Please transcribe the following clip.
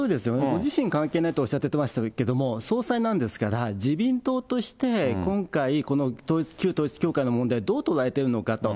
ご自身関係ないとおっしゃってましたけれども、総裁なんですから、自民党として今回この旧統一教会の問題、どうとらえてるのかと。